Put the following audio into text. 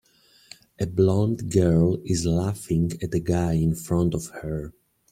A blond girl is laughing at a guy in front of her.